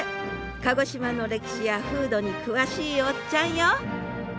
鹿児島の歴史や風土に詳しいおっちゃんよ！